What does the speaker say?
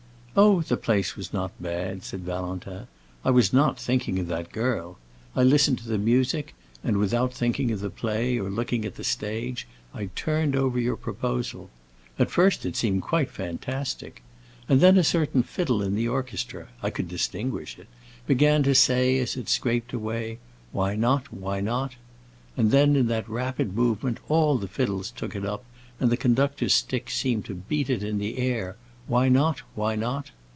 "Oh, the place was not bad," said Valentin. "I was not thinking of that girl. I listened to the music, and, without thinking of the play or looking at the stage, I turned over your proposal. At first it seemed quite fantastic. And then a certain fiddle in the orchestra—I could distinguish it—began to say as it scraped away, 'Why not, why not?' And then, in that rapid movement, all the fiddles took it up and the conductor's stick seemed to beat it in the air: 'Why not, why not?